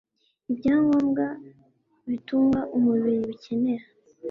Ibyangombwa bitunga umubiri dukenera